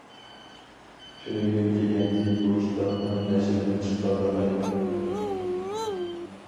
تۈنۈگۈن دېگەنتى بۇ كىتابنىڭ نەشردىن چىققانلىقىنى.